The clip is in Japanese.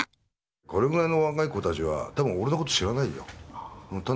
これぐらいの若い子たちはたぶん俺のこと知らないよ。